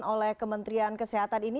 oleh kementrian kesehatan ini